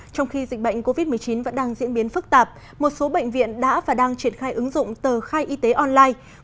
trong khi dịch bệnh covid một mươi chín vẫn đang diễn biến phức tạp một số bệnh viện đã và đang triển khai ứng dụng tờ khai y tế online